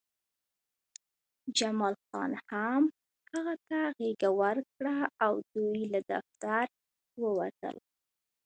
جمال خان هم هغه ته غېږه ورکړه او دوی له دفتر ووتل